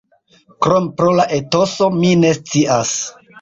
Krom pro la etoso, mi ne scias.